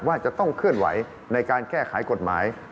ว่าจะต้องเคลื่อนไหวในการแก้ไขกฎหมาย